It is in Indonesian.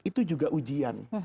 itu juga ujian